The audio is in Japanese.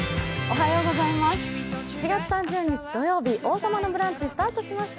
おはようございます。